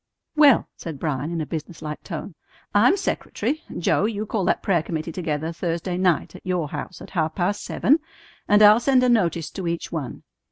"Well," said Bryan in a business like tone, "I'm secretary. Joe, you call that prayer committee together Thursday night at your house at half past seven, and I'll send a notice to each one.